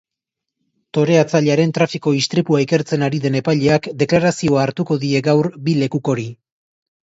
Toreatzailearen trafiko-istripua ikertzen ari den epaileak deklarazioa hartuko die gaur bi lekukori.